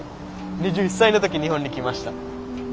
２１歳の時日本に来ました。